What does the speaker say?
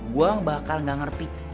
gua bakal gak ngerti